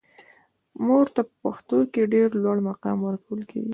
مور ته په پښتنو کې ډیر لوړ مقام ورکول کیږي.